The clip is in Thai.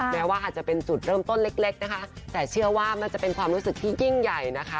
แม้ว่าอาจจะเป็นจุดเริ่มต้นเล็กนะคะแต่เชื่อว่ามันจะเป็นความรู้สึกที่ยิ่งใหญ่นะคะ